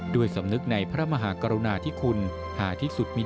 ด้วยสำนึกในพระมหากรณาที่คุณหาที่สุดมิดัก